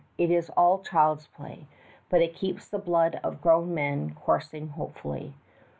It is all child's play, but it keeps the blood of grown men coursing hopefully.